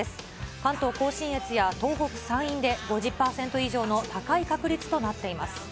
関東甲信越や東北山陰で５０％以上の高い確率となっています。